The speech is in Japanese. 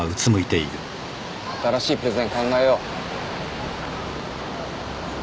新しいプレゼン考えよう。